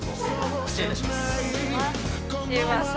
失礼いたします。